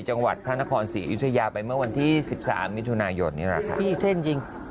จังหวัดพระนครศรีอยุธยาไปเมื่อวันที่สิบสามมิถุนายนนี่แหละค่ะดีเท่นจริง